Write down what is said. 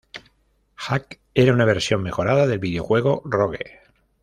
Hack era una versión mejorada del videojuego Rogue.